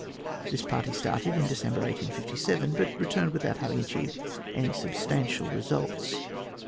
This party started in December, 1857, but returned without having achieved any substantial results.